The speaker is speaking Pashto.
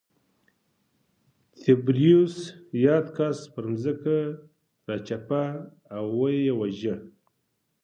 تبریوس یاد کس پر ځمکه راچپه او ویې واژه